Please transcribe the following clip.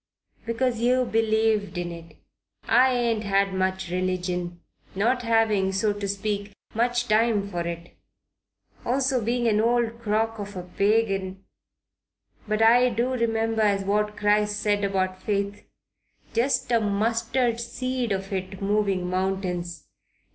Because yer believed in it. I ain't had much religion, not having, so to speak, much time for it, also being an old crock of a pagan but I do remember as what Christ said about faith just a mustard seed of it moving mountains.